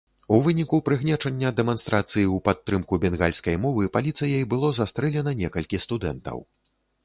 У выніку прыгнечання дэманстрацыі ў падтрымку бенгальскай мовы паліцыяй было застрэлена некалькі студэнтаў.